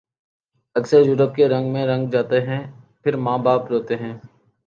اکثر یورپ کے رنگ میں رنگ جاتے ہیں پھر ماں باپ روتے ہیں